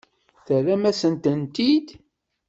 Terram-asen-tent-id?